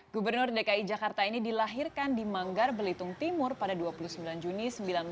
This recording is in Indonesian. gubernur dki jakarta ini dilahirkan di manggar belitung timur pada dua puluh sembilan juni seribu sembilan ratus enam puluh